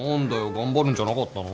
頑張るんじゃなかったの？